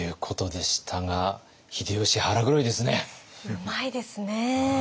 うまいですね。